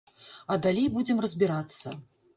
А далей будзем разбірацца.